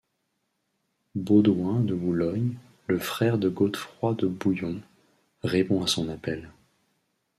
Baudouin de Boulogne, le frère de Godefroy de Bouillon, répond à son appel.